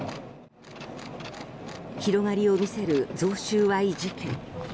広がりを見せる贈収賄事件。